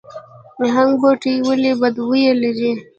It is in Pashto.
هنګ بوټی ولې بد بوی لري؟